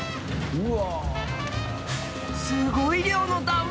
うわ。